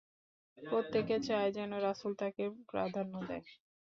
প্রত্যেকে চায়, যেন রাসূল তাকে প্রাধান্য দেয়।